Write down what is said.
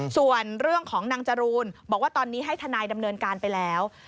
ส่วนเรื่องของนางจรูนบอกว่าตอนนี้ให้ทนายดำเนินการไปแล้ว